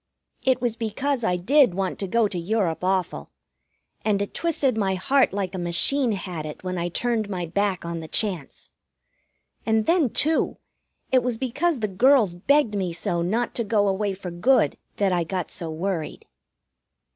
It was because I did want to go to Europe awful, and it twisted my heart like a machine had it when I turned my back on the chance. And then, too, it was because the girls begged me so not to go away for good that I got so worried.